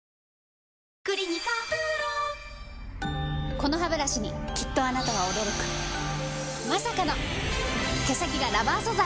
このハブラシにきっとあなたは驚くまさかの毛先がラバー素材！